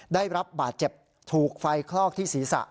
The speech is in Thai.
ได้รับบาดเจ็บถูกไฟคลอกที่ศีรษะ